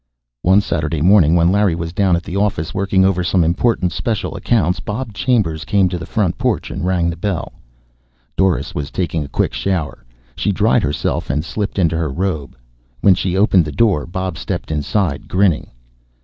One Saturday morning, when Larry was down at the office working over some important special accounts, Bob Chambers came to the front porch and rang the bell. Doris was taking a quick shower. She dried herself and slipped into her robe. When she opened the door Bob stepped inside, grinning.